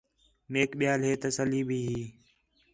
میک ٻِیال ہِے تسلی بھی ہی